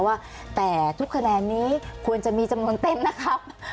ว่าแต่ทุกคะแนนนี้ควรจะมีจำนวนเต้นนะครับ